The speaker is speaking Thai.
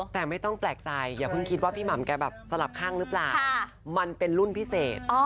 แต่ไม่ต้องแปลกใจอย่าเพิ่งคิดว่าพี่หม่ำแกแบบสลับข้างหรือเปล่ามันเป็นรุ่นพิเศษ